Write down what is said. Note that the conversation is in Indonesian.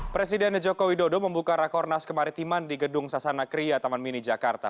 presiden jokowi dodo membuka rakornas kemaritiman di gedung sasana kriya taman mini jakarta